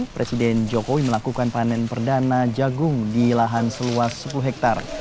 presiden jokowi melakukan panen perdana jagung di lahan seluas sepuluh hektare